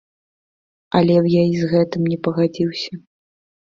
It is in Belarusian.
Але б я і з гэтым не пагадзіўся.